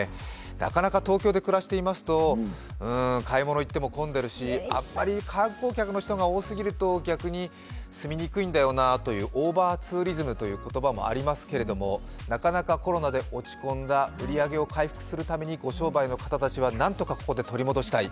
なかなか東京で暮らしていますと買い物行っても混んでるしあんまり観光客の人が多すぎると住みにくいんだよなというオーバーツーリズムという言葉もありますけれどもなかなかコロナで落ち込んだ売り上げを回復するために商売の方たちはなんとかここで取り返したい